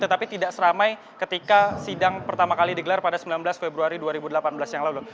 tetapi tidak seramai ketika sidang pertama kali digelar pada sembilan belas februari dua ribu delapan belas yang lalu